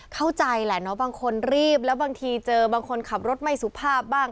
เข้าใจแหละเนาะบางคนรีบแล้วบางทีเจอบางคนขับรถไม่สุภาพบ้าง